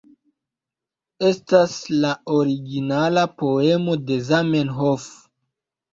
Estas la originala poemo de Zamenhof